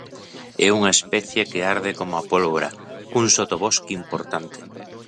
É unha especie que arde como a pólvora, cun sotobosque importante.